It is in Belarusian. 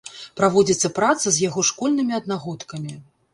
Праводзіцца праца з яго школьнымі аднагодкамі.